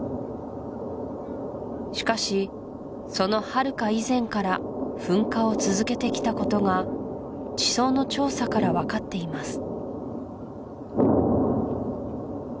しかしそのはるか以前から噴火を続けてきたことが地層の調査から分かっています